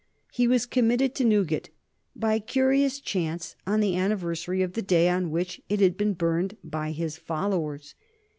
He was committed to Newgate, by curious chance, on the anniversary of the day on which it had been burned by his followers.